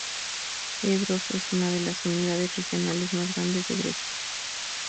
Evros es una de las unidades regionales más grandes de Grecia.